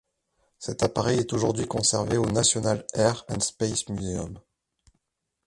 Cet appareil est aujourd'hui conservé au National Air and Space Museum.